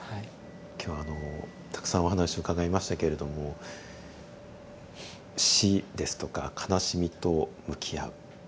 今日はあのたくさんお話を伺いましたけれども死ですとか悲しみと向き合う。